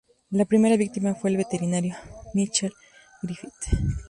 La primera víctima fue el veterinario Michael Griffith.